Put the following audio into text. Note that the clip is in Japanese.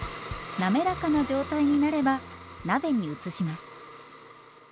滑らかな状態になれば鍋に移します。